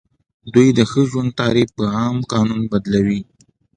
دوی د ښه ژوند تعریف په عام قانون بدلوي.